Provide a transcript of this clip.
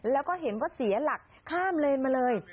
แล้วก็เห็นว่าเสียหลักข้ามเลนมาเลย